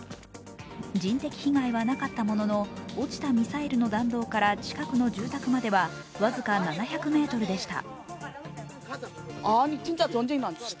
人的被害はなかったものの落ちたミサイルの弾頭から近くの住宅まずは僅か７００ｍでした。